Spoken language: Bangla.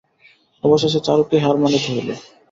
অবশেষে চারুকেই হার মানিতে হইল।